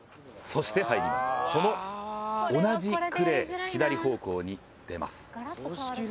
そしてその同じクレー、左方向に出ます。